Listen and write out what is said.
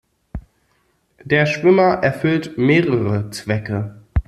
Der Schwimmer erfüllt mehrere Zwecke.